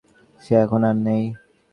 সে এখন আর নেই।